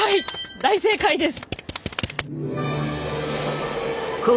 大正解です。